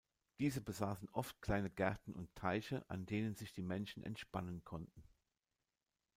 Diese besaßen oft kleine Gärten und Teiche, an denen sich die Menschen entspannen konnten.